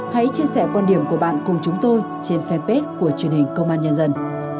hãy chia sẻ quan điểm của bạn cùng chúng tôi trên fanpage của truyền hình công an nhân dân